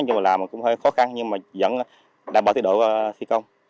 nhưng mà làm cũng hơi khó khăn nhưng mà vẫn đảm bảo thị đội thi công